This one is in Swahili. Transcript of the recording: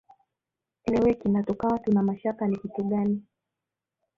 eleweki na tukawa tuna mashaka ni kitu gani